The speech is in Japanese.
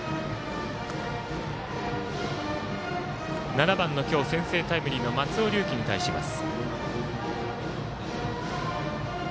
７番の今日、先制タイムリーの松尾龍樹に対します。